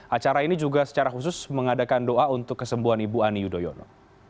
acara ini juga secara khusus mengadakan doa untuk kesembuhan ibu ani yudhoyono